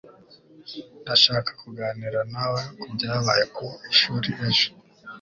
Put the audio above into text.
ndashaka kuganira nawe kubyabaye ku ishuri ejo